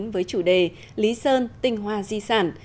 với chủ đề lý sơn tinh hoa di sản